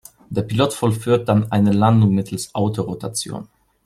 Der Pilot vollführt dann eine Landung mittels Autorotation.